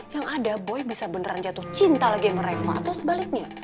yang ada boy bisa beneran jatuh cinta lagi mereka atau sebaliknya